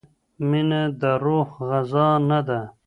مینه د روح غذا نه ده.